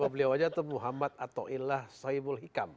kalau beliau aja tuh muhammad atauillah sohibul hikam